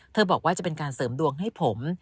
บอกว่าจะเป็นการเสริมดวงให้ผม